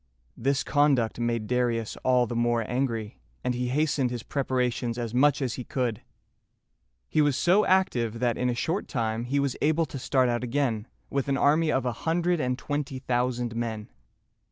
This conduct made Darius all the more angry, and he hastened his preparations as much as he could. He was so active that in a short time he was able to start out again, with an army of a hundred and twenty thousand men.